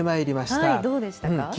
どうでしたか。